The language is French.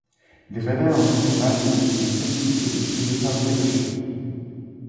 Ils révèlent en général les opinions politiques et les sujets favoris de chacun.